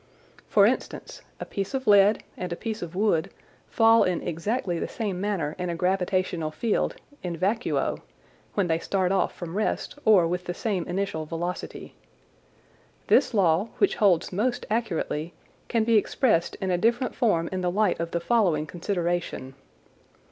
For instance, a piece of lead and a piece of wood fall in exactly the same manner in a gravitational field (in vacuo), when they start off from rest or with the same initial velocity. This law, which holds most accurately, can be expressed in a different form in the light of the following consideration.